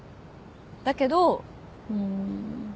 だけどうん。